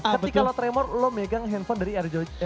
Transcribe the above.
ketika lo tremur lo megang handphone dari rog phone lima